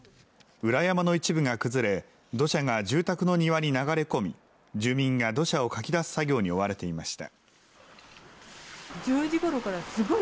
裏山の一部が崩れ、土砂が住宅の庭に流れ込み、住民が土砂をかき出す作業に追われていました。